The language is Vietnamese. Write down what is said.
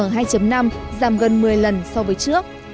điều này cho thấy rằng tác động của con người đến môi trường là vô cùng lớn